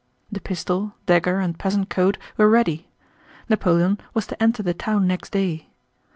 The pistol, dagger, and peasant coat were ready. Napoleon was to enter the town next day.